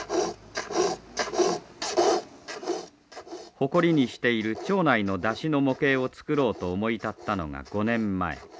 誇りにしている町内の山車の模型を作ろうと思い立ったのが５年前。